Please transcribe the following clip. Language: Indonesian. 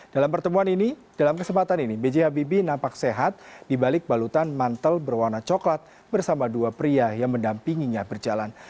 dalam kesempatan ini b j habibie nampak sehat dibalik balutan mantel berwarna coklat bersama dua pria yang mendampinginya berjalan